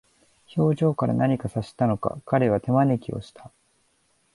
表情から何か察したのか、彼は手招きをした。